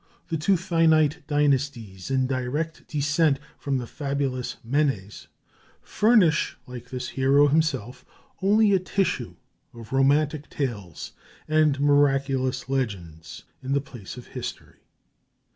The two Thinite dynasties, in direct descent from the fabulous Menes, furnish, like this hero himself, only a tissue of romantic tales and miraculous legends in the place of history.